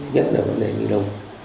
nhất là vấn đề nghị lông